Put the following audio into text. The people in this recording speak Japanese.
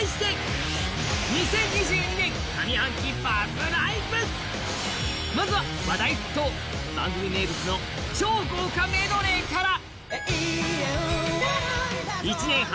その前にまずは話題沸騰、番組名物の超豪華メドレーから。